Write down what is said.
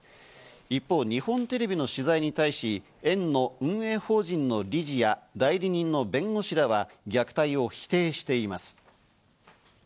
一方、日本テレビの取材に対し園の運営法人の理事や代理人の弁護士らは、虐待を否定しています。